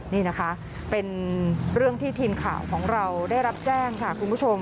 นี่นะคะเป็นเรื่องที่ทีมข่าวของเราได้รับแจ้งค่ะคุณผู้ชม